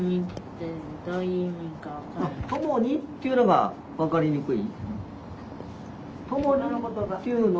「ともに」っていうのがわかりにくい？